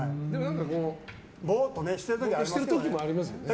ぼーっとしてる時もありますよね。